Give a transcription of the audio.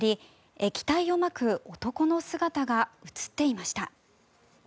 液体をまく男の姿が映っていました。